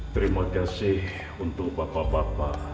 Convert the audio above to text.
terima kasih untuk bapak bapak